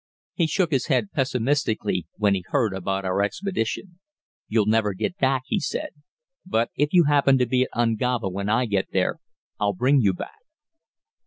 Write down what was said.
He shook his head pessimistically when he heard about our expedition. "You'll never get back," he said. "But if you happen to be at Ungava when I get there, I'll bring you back."